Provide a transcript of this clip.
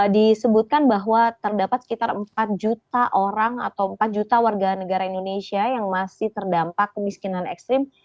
disebutkan bahwa terdapat sekitar empat juta orang atau empat juta warga negara indonesia yang masih terdampak kemiskinan ekstrim